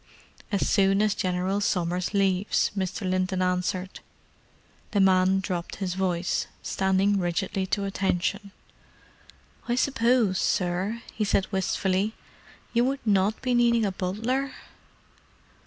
"As soon as General Somers leaves," Mr. Linton answered. The man dropped his voice, standing rigidly to attention. "I suppose, sir," he said wistfully, "you would not be needing a butler?"